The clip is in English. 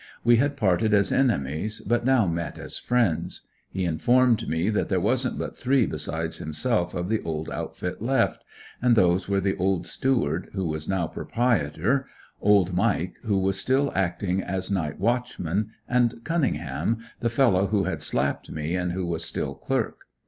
We had parted as enemies but now met as friends. He informed me that there wasn't but three, besides himself, of the old outfit left, and those were the old steward, who was now proprietor, "Old" Mike, who was still acting as night watchman, and Cunningham, the fellow who had slapped me and who was still clerk.